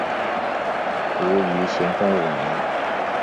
卒于咸丰五年。